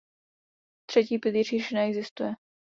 Třetí pilíř již neexistuje.